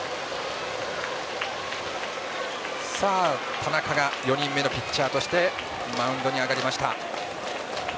田中が４人目のピッチャーとしてマウンドに上がりました。